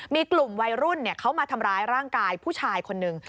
มีกลุ่มวัยรุ่นเขามาทำร้ายร่างกายผู้ชายคนหนึ่ง